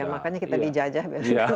ya makanya kita dijajah